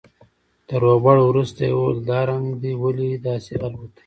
تر روغبړ وروسته يې وويل دا رنگ دې ولې داسې الوتى.